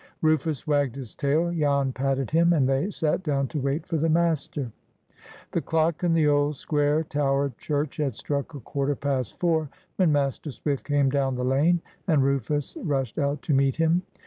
Rufus wagged his tail, Jan patted him, and they sat down to wait for the master. The clock in the old square towered church had struck a quarter past four when Master Swift came down the lane, and Rufus rushed out to meet him.